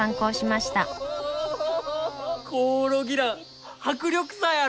コオロギラン迫力さえある！